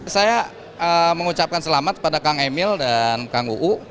saya mengucapkan selamat pada kang emil dan kang uu